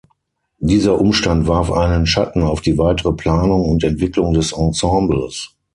Dieser Umstand warf einen Schatten auf die weitere Planung und Entwicklung des Ensembles.